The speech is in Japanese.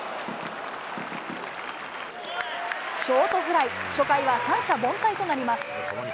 ショートフライ、初回は三者凡退となります。